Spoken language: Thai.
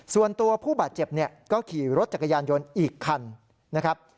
ส่วนตัวผู้บาดเจ็บเนี่ยก็ขี่รถจักรยานยนต์อีกคันนะครับ